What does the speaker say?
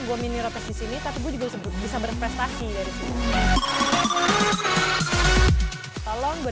gue mini repes disini tapi gue juga bisa berprestasi dari sini